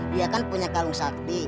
dia kan punya kalung sakti